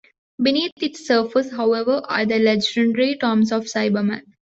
Beneath its surface, however, are the legendary tombs of the Cybermen.